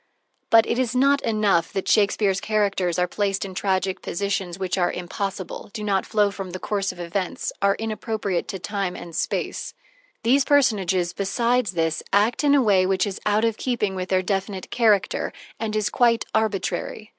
IV But it is not enough that Shakespeare's characters are placed in tragic positions which are impossible, do not flow from the course of events, are inappropriate to time and space these personages, besides this, act in a way which is out of keeping with their definite character, and is quite arbitrary.